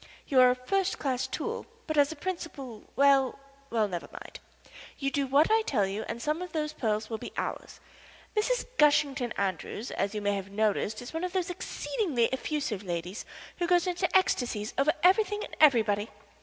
You are a first class tool, but as a principal well well, never mind. You do what I tell you and some of those pearls will be ours. Mrs. Gushington Andrews, as you may have noticed, is one of those exceedingly effusive ladies who go into ecstasies over everything and everybody.